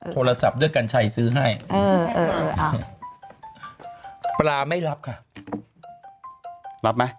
โทรศัพท์ด้วยกันชัยซื้อให้เออเออเอออ่ะปลาไม่รับค่ะรับมั้ย